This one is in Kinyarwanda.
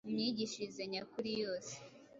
Mu myigishirize nyakuri yose,